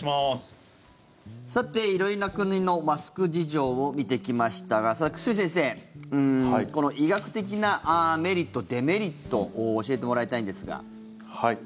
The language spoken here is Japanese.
色々な国のマスク事情を見てきましたが久住先生、医学的なメリットデメリット教えてもらいたいんですが。